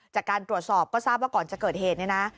จากการตรวจสอบก็ทราบว่าก่อนจะเกิดเหตุเนี่ยนะ